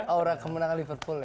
aura kemenangan liverpool ya